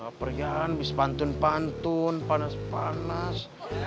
gaper ya habis pantun pantun panas panas